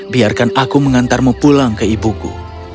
biarkan aku mengantarmu pulang ke ibuku